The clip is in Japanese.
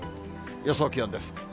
予想気温です。